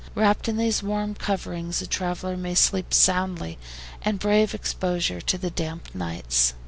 Wrapped in these warm coverings a traveler may sleep soundly, and brave exposure to the damp nights.